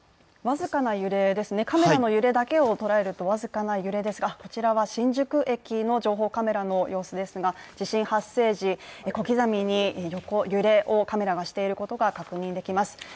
カメラの揺れだけを捉えると僅かな揺れですがこちらな新宿駅の情報カメラの様子ですが地震発生時、小刻みに横揺れをカメラがしていることを確認できます。